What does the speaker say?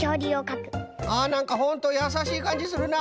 あなんかほんとやさしいかんじするな。